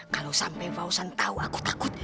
kalau sampai fausan tahu aku takut